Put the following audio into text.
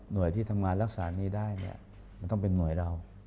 โดยที่ทำงานรักษานี้ได้เนี่ยมันต้องเป็นหน่วยเรา